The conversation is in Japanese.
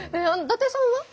伊達さんは？